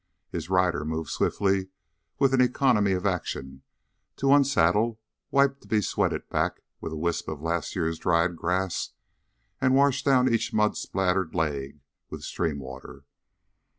His rider moved swiftly, with an economy of action, to unsaddle, wipe the besweated back with a wisp of last year's dried grass, and wash down each mud spattered leg with stream water.